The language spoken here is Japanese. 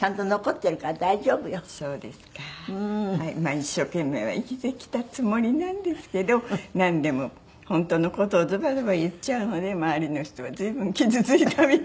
一生懸命は生きてきたつもりなんですけどなんでも本当の事をズバズバ言っちゃうので周りの人は随分傷ついたみたいで。